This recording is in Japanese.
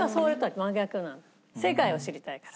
世界を知りたいから。